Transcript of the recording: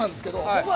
僕は。